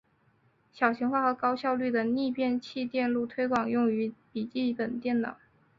小型化和高效率的逆变器电路推广用于笔记型电脑。